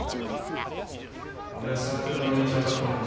俺はサークルの連中を当たってみます。